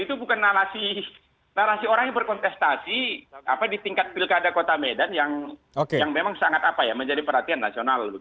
itu bukan narasi orang yang berkontestasi di tingkat pilkada kota medan yang memang sangat menjadi perhatian nasional